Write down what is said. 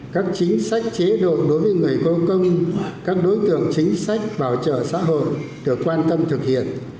các chính sách chế độ đối với người có công các đối tượng chính sách bảo trợ xã hội được quan tâm thực hiện